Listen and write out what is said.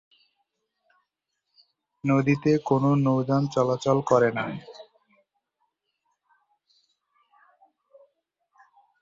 নদীতে কোনো নৌযান চলাচল করে না।